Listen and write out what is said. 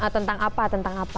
tentang apa tentang apa